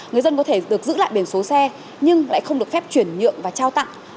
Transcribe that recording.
người dân có thể được giữ lại biển số xe nhưng lại không được phép chuyển nhượng và trao tặng